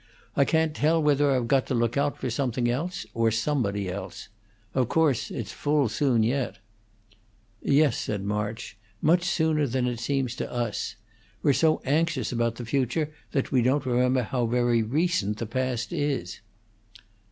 I can't tell whether I've got to look out for something else or somebody else. Of course, it's full soon yet." "Yes," March said, "much sooner than it seems to us. We're so anxious about the future that we don't remember how very recent the past is."